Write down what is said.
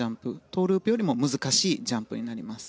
トウループよりも難しいジャンプになります。